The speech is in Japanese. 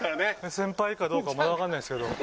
先輩かどうかまだ分からないんですけど。